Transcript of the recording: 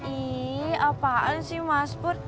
ih apaan sih mas pur